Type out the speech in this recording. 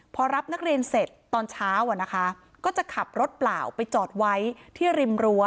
พอรับนักเรียนเสร็จตอนเช้าอ่ะนะคะก็จะขับรถเปล่าไปจอดไว้ที่ริมรั้ว